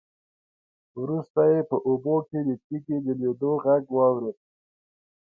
وروسته يې په اوبو کې د تېږې د لوېدو غږ واورېد.